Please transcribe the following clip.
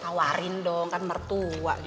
tawarin dong kan mertua